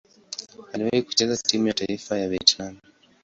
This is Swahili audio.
Aliwahi kucheza timu ya taifa ya Vietnam.